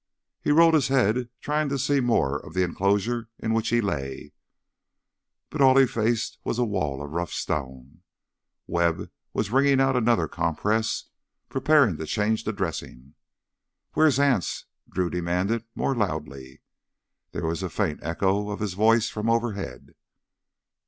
He rolled his head, trying to see more of the enclosure in which he lay, but all he faced was a wall of rough stone. Webb was wringing out another compress, preparing to change the dressing. "Where's Anse?" Drew demanded more loudly, and there was a faint echo of his voice from overhead.